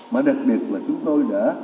mà đặc biệt là chúng tôi đã